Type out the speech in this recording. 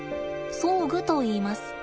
装具といいます。